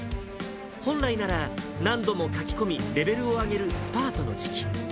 本来なら、何度も書き込み、レベルを上げるスパートの時期。